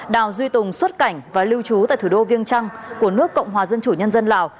đào duy tùng xuất cảnh và lưu trú tại thủ đô viêng trăn của nước cộng hòa dân chủ nhân dân lào